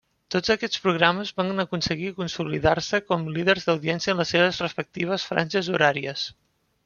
Tots aquests programes van aconseguir consolidar-se com líders d'audiència en les seves respectives franges horàries.